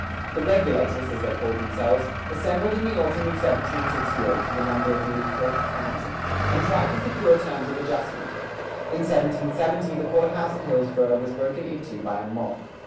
The Regulators, as they called themselves, assembled in the autumn of 1768 to the number of nearly four thousand, and tried to secure terms of adjustment. In 1770 the court house at Hillsboro was broken into by a mob.